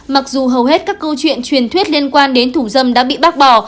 mặc dù hầu hết các câu chuyện truyền thuyết liên quan đến thủ dâm đã bị bác bỏ